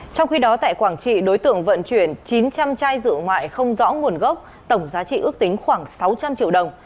trong khi đó tại quảng trị đối tượng vận chuyển chín trăm linh chai rượu ngoại không rõ nguồn gốc tổng giá trị ước tính khoảng sáu trăm linh triệu đồng